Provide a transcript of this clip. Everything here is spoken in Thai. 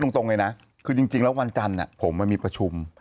ตรงเลยนะคือจริงแล้ววันจันทร์ผมมันมีประชุม